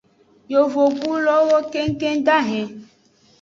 Yovogbulowo kengkeng dahen.